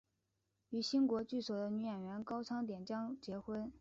与新国剧所的女演员高仓典江结婚。